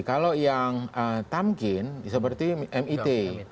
kalau yang tamkin seperti mit